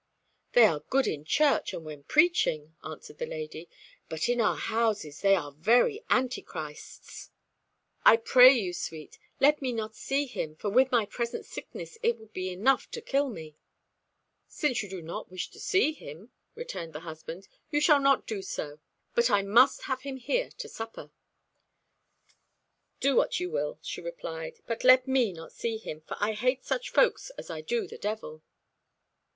"They are good in church and when preaching," answered the lady, "but in our houses they are very antichrists. I pray you, sweet, let me not see him, for with my present sickness it would be enough to kill me." "Since you do not wish to see him," returned the husband, "you shall not do so, but I must have him here to supper." "Do what you will," she replied, "but let me not see him, for I hate such folk as I do the devil."